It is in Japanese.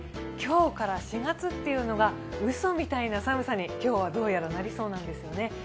今日から４月というのが、うそみたいな寒さに今日はどうやらなりそうなんですよね。